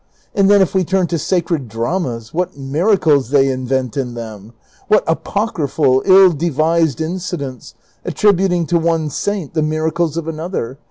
And then if we turn to sacred dramas — what miracles^ they invent in them ! AVhat apocryphal, ill devised incidents, attributing to one saint the miracles of another